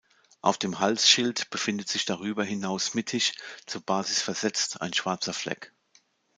Auf dem Halsschild befindet sich darüber hinaus mittig, zur Basis versetzt ein schwarzer Fleck.